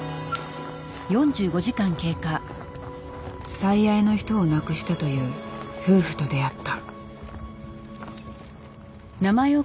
最愛の人を亡くしたという夫婦と出会った。